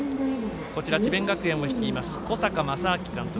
智弁学園を率います小坂将商監督。